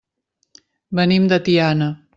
Venim de Tiana.